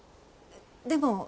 でも。